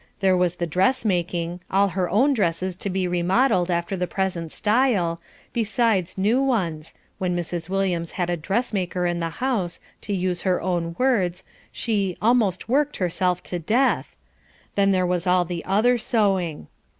There was the dressmaking, all her own dresses to be remodelled after the present style, besides new ones (when Mrs. Williams had a dressmaker in the house to use her own words she "almost worked herself to death") then there was all the other sewing.